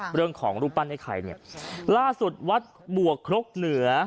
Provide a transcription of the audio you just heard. เรื่องของรูปปั้นไอ้ไข่เนี่ยล่าสุดวัดบวกครกเหนือ